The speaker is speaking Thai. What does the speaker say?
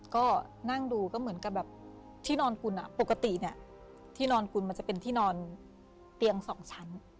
ก็นั่งดูก็เหมือนกับแบบที่นอนคุณปกติเนี่ยที่นอนคุณมันจะเป็นที่นอนเตียงสองชั้น